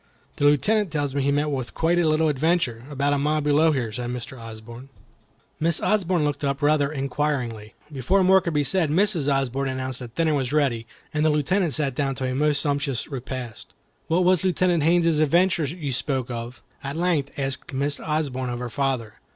"The Lieutenant tells me he met with quite a little adventure, about a mile below here," said Mr. Osborne. Miss Osborne looked up inquiringly. Before more could be said Mrs. Osborne announced that dinner was ready, and the Lieutenant sat down to a most sumptuous repast. "What was Lieutenant Haines's adventure you spoke of?" at length asked Miss Osborne of her father.